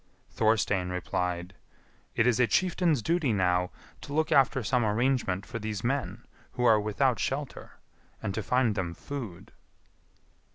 Thorstein replied, "It is a chieftain's duty now to look after some arrangement for these men who are without shelter, and to find them food."